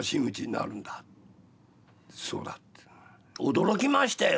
驚きましたよ